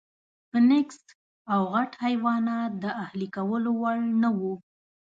فنګس او غټ حیوانات د اهلي کولو وړ نه وو.